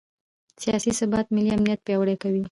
سیاسي ثبات ملي امنیت پیاوړی کوي